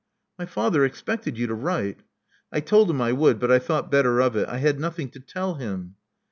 My father expected you to write." I told him I would; but I thought better of it. I had nothing to tell him."